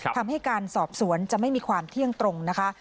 ทำให้การสอบสวนจะไม่มีความเที่ยงตรงนะคะ